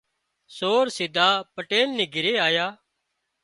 سور سڌا پٽيل نِي گھري آيا